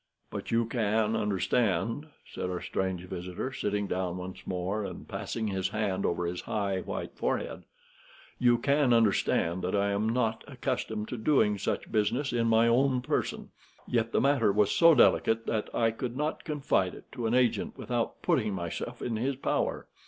"But you can understand," said our strange visitor, sitting down once more and passing his hand over his high, white forehead, "you can understand that I am not accustomed to doing such business in my own person. Yet the matter was so delicate that I could not confide it to an agent without putting myself in his power.